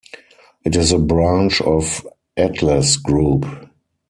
It is a branch of Atlas Group.